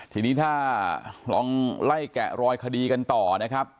ทีนี้ถ้าลองไล่แกะรอยคดีกันต่อนะครับ